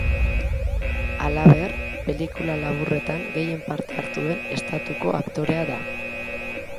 Halaber, pelikula laburretan gehien parte hartu duen estatuko aktorea da.